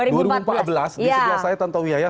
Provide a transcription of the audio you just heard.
dua ribu empat belas di sebelah saya tanto wihaya